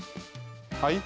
はい？